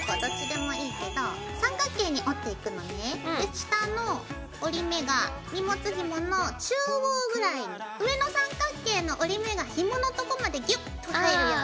下の折り目が荷物ひもの中央ぐらいに上の三角形の折り目がひものとこまでギュッと入るように。